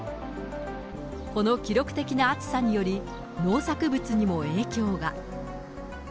この記録的な暑さにより、農作物にも影響が。